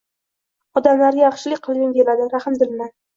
Odamlarga yaxshilik qilgim keladi, rahmdilman